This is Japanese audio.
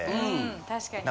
確かに。